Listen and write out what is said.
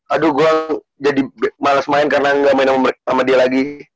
aduh gue jadi males main karena nggak main sama dia lagi